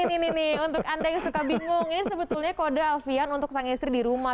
ini nih untuk anda yang suka bingung ini sebetulnya kode alfian untuk sang istri di rumah